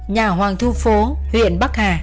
nhà hoàng thu phố huyện bắc hà